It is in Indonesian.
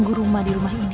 guru rumah di rumah ini